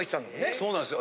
そうなんですよ。